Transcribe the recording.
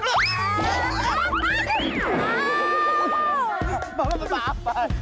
jangan jangan jangan